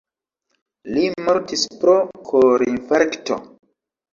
Li mortis pro kor-infarkto.